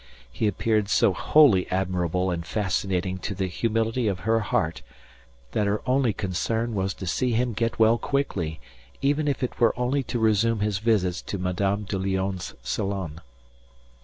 He appeared so wholly admirable and fascinating to the humility of her heart that her only concern was to see him get well quickly even if it were only to resume his visits to Madame de Lionne's salon.